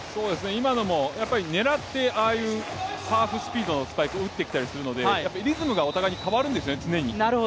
今のも、やっぱり狙ってああいうハーフスピードのスパイクを打ってきたりするので、リズムがお互いに変わるんですね常に。